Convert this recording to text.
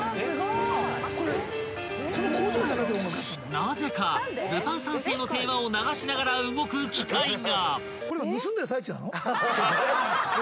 ［なぜか『ルパン三世のテーマ』を流しながら動く機械が］